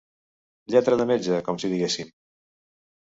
Lletra de metge, com si diguéssim.